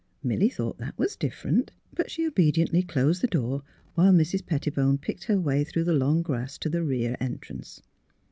Milly thought that was '' different." But she obediently closed the door while Mrs. Pettibone picked her way through the long grass to the rear entrance.